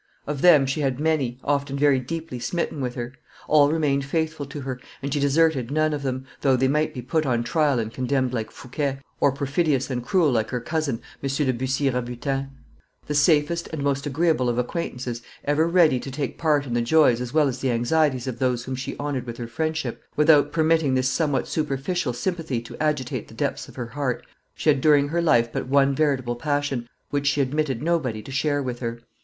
Of them she had many, often very deeply smitten with her; all remained faithful to her, and, she deserted none of them, though they might be put on trial and condemned like Fouquet, or perfidious and cruel like her cousin M. de Bussy Rabutin. The safest and most agreeable of acquaintances, ever ready to take part in the joys as well as the anxieties of those whom she honored with her friendship, without permitting this somewhat superficial sympathy to agitate the depths of her heart, she had during her life but one veritable passion, which she admitted nobody to share with her.